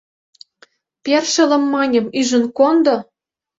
— Першылым, маньым, ӱжын кондо.